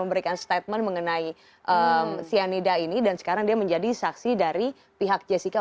memberikan statement mengenai cyanida ini dan sekarang dia menjadi saksi dari pihak jessica